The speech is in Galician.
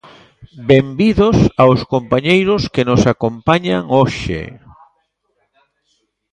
Benvidos aos compañeiros que nos acompañan hoxe.